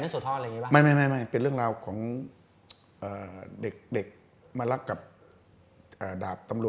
ซึ่งเมียแห่งร้องกันอธิบาย